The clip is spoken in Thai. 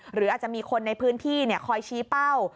หรืออาจจะมีคนในพื้นที่คอยชี้เป้า